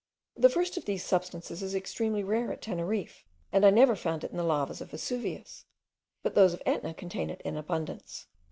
The first of these substances is extremely rare at Teneriffe; and I never found it in the lavas of Vesuvius; but those of Etna contain it in abundance.